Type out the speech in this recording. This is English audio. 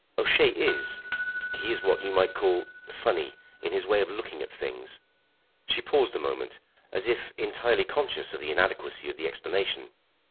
"O'Shea is he is what you might call funny in his way of looking at things." She paused a moment, as if entirely conscious of the inadequacy of the explanation.